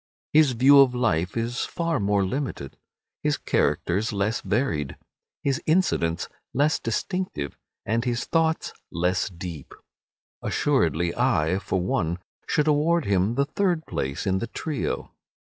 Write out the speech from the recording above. His view of life is far more limited, his characters less varied, his incidents less distinctive, and his thoughts less deep. Assuredly I, for one, should award him the third place in the trio.